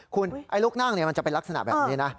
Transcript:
คุณไอ้ลูกนั่งมันจะเป็นลักษณะแบบนี้นะ